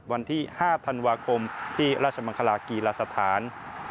วันที่๕ธันวาคมที่ราชมังคลากีฬาสถาน